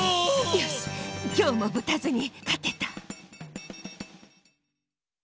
よしきょうもぶたずにかてた。